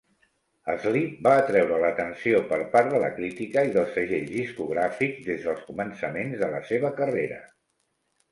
Sleep va atreure l'atenció per part de la crítica i dels segells discogràfics des dels començaments de la seva carrera.